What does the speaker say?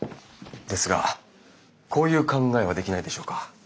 ですがこういう考えはできないでしょうか？